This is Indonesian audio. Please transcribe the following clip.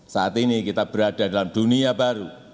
saat ini kita berada dalam dunia baru